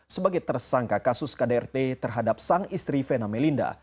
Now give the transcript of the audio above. sebagai tersangka kasus kdrt terhadap sang istri vena melinda